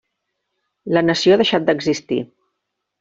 La nació ha deixat d'existir.